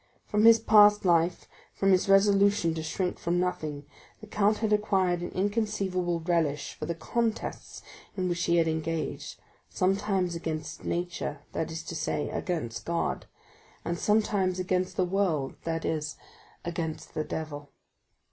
From his past life, from his resolution to shrink from nothing, the count had acquired an inconceivable relish for the contests in which he had engaged, sometimes against nature, that is to say, against God, and sometimes against the world, that is, against the devil.